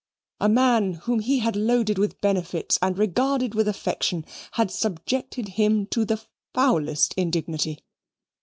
A man whom he had loaded with benefits and regarded with affection had subjected him to the foulest indignity.